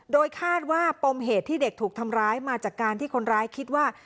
โดยคาดว่าปมเหตุที่เด็กถูกทำร้ายมาจากการที่คนร้ายคิดว่า